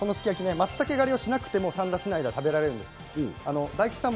まつたけ狩りをしなくても三田市内で食べられるんですよ。